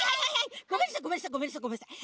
ごめんなさいごめんなさいごめんなさいごめんなさい。